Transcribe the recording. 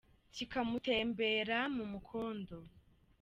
Kikamutembera mu mukondo